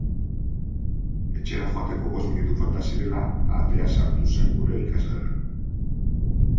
Etxera joateko bost minutu falta zirela, Ahatea sartu zen gure ikasgelan.